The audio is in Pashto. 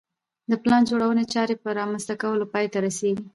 د پلان جوړونې چارې په رامنځته کولو پای ته رسېږي.